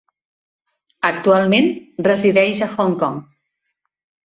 Actualment resideix a Hong Kong.